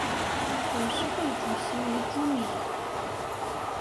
董事会主席为朱敏。